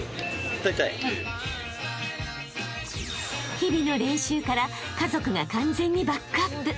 ［日々の練習から家族が完全にバックアップ］